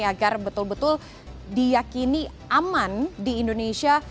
agar betul betul diyakini aman di indonesia